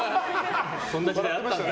そんな時代あったね。